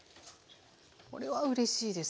これはうれしいです。